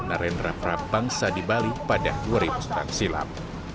narin rafra bangsa di bali pada tahun silam